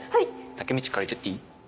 タケミっち借りてっていい？